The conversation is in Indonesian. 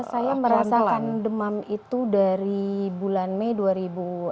saya merasakan demam itu dari bulan mei dua ribu